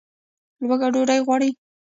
لوږه ډوډۍ غواړي